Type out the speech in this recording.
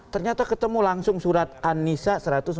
ternyata ketemu langsung surat anissa satu ratus empat puluh